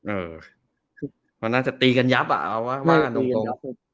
เออมันน่าจะตีกันยับอ่ะเอาว่าตรง